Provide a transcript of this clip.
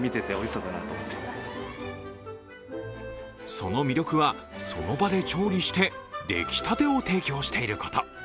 その魅力は、その場で調理して出来たてを提供していること。